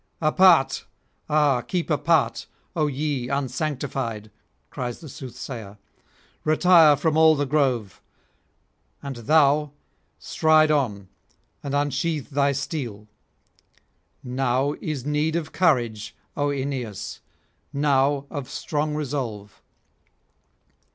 'Apart, ah keep apart, O ye unsanctified!' cries the soothsayer; 'retire from all the grove; and thou, stride on and unsheath thy steel; now is need of courage, O Aeneas, now of strong resolve.'